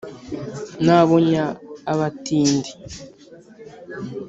nabonya abatindi